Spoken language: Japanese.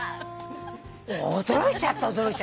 驚いちゃった驚いちゃった。